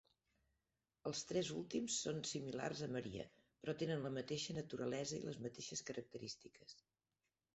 Els tres últims són similars a Maria, però tenen la mateixa naturalesa i les mateixes característiques.